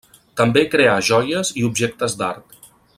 També creà joies i objectes d'art.